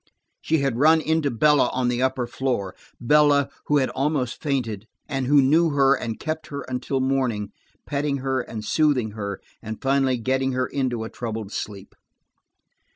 She had run into Bella on the upper floor, Bella, who had almost fainted, and who knew her and kept her until morning, petting her and soothing her, and finally getting her into a troubled sleep.